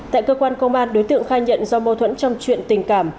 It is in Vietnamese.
tại cơ quan công an đối tượng khai nhận do mâu thuẫn trong chuyện tình cảm